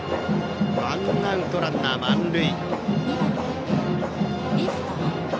ワンアウトランナー満塁。